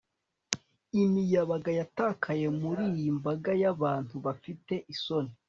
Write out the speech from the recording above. Imiyabaga yatakaye muriyi mbaga yabantu bafite isoni